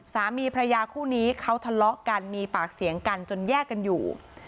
สามีพระยาคู่นี้เขาทะเลาะกันมีปากเสียงกันจนแยกกันอยู่